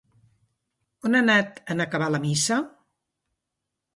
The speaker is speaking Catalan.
On ha anat en acabar la missa?